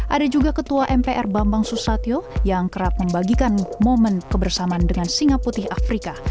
ada juga ketua mpr bambang susatyo yang kerap membagikan momen kebersamaan dengan singa putih afrika